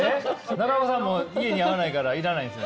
中岡さんも家に合わないから要らないですよね？